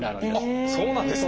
あっそうなんですか！